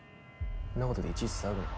んなことでいちいち騒ぐな。